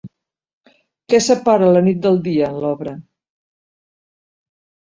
Què separa la nit del dia en l'obra?